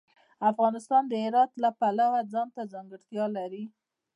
افغانستان د هرات د پلوه ځانته ځانګړتیا لري.